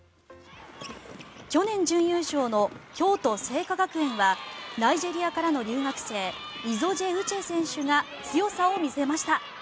去年、準優勝の京都精華学園はナイジェリアからの留学生イゾジェ・ウチェ選手が強さを見せました。